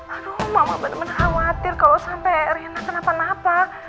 aduh mama bener bener khawatir kalo sampe rena kenapa napa